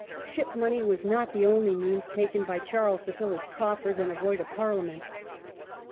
Ship money was not the only means taken by Charles to fill his coffers and avoid a Parliament.